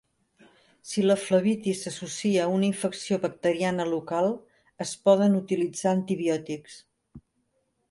Si la flebitis s'associa a una infecció bacteriana local, es poden utilitzar antibiòtics.